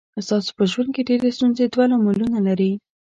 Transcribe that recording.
ستاسو په ژوند کې ډېرې ستونزې دوه لاملونه لري.